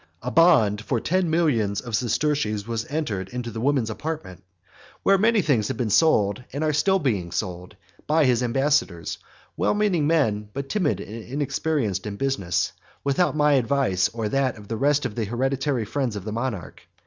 A bond for ten millions of sesterces was entered into in the women's apartment, (where many things have been sold, and are still being sold,) by his ambassadors, well meaning men, but timid and inexperienced in business, without my advice or that of the rest of the hereditary friends of the monarch.